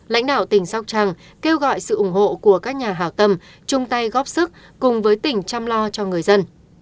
lãnh đạo tỉnh sóc trăng kêu gọi sự ủng hộ của các nhà hào tâm chung tay góp sức cùng với tỉnh chăm lo cho người dân